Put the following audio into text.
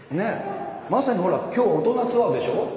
まさに今日大人ツアーでしょ。